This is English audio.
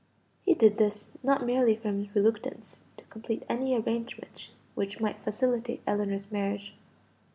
He did this not merely from his reluctance to complete any arrangements which might facilitate Ellinor's marriage.